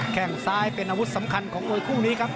แค่งซ้ายเป็นอาวุธสำคัญของมวยคู่นี้ครับ